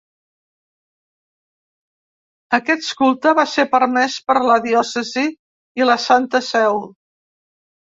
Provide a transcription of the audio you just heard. Aquest culte va ser permès per la diòcesi i la Santa Seu.